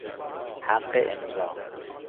حق امضاء